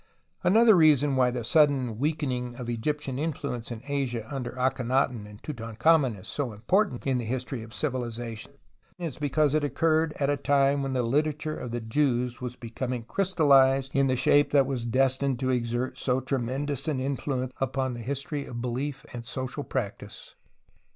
Another reason why the sudden weakening of Egyptian influence in Asia under Akhenaton and Tutankhamen is so important an event in the history of civilization is because it occurred at a time when the literature of the Jews was becoming crystallized in the shape that was destined to exert so tremendous an influence upon the history of belief and social practice.